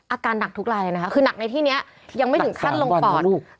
อาการหนักทุกรายเลยนะคะคือนักในที่เนี้ยยังไม่ถึงขั้นลงปอดหนักสองวันนะลูก